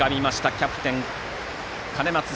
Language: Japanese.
キャプテン、兼松。